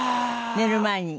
寝る前に。